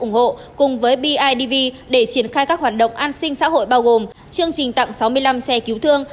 ủng hộ cùng với bidv để triển khai các hoạt động an sinh xã hội bao gồm chương trình tặng sáu mươi năm xe cứu thương